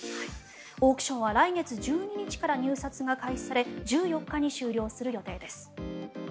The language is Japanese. オークションは来月１２日から入札が開始され１４日に終了する予定です。